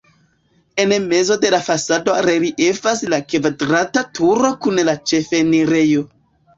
En mezo de la fasado reliefas la kvadrata turo kun la ĉefenirejo.